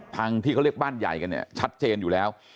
ทางที่เขาเรียกบ้านใหญ่กันเนี่ยชัดเจนอยู่แล้ว